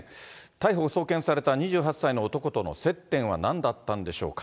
逮捕・送検された２８歳の男との接点は何だったんでしょうか。